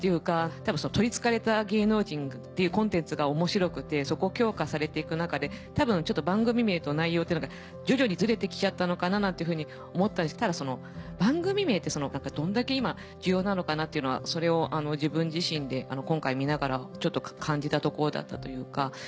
多分「取り憑かれた芸能人」っていうコンテンツが面白くてそこを強化されていく中で多分番組名と内容っていうのが徐々にズレてきちゃったのかななんていうふうに思ったんですけどただ番組名ってどんだけ今重要なのかなっていうのはそれを自分自身で今回見ながらちょっと感じたところだったというか。